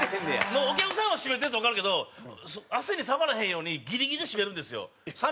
もうお客さんは絞めてるってわかるけど汗に触らへんようにギリギリで絞めるんですよ。